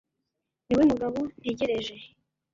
Niwe mugabo ntegereje